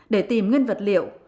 để tìm nguyên vật liệu